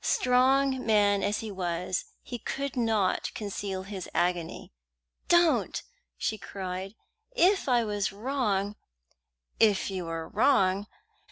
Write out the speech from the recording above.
Strong man as he was, he could not conceal his agony. "Don't!" she cried. "If I was wrong " "If you were wrong!"